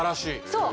そう。